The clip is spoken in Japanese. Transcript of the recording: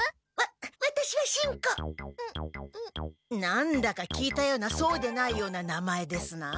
何だか聞いたようなそうでないような名前ですな。